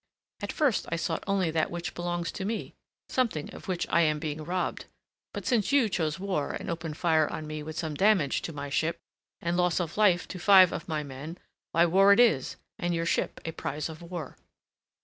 "At first I sought only that which belongs to me, something of which I am being robbed. But since you chose war and opened fire on me with some damage to my ship and loss of life to five of my men, why, war it is, and your ship a prize of war."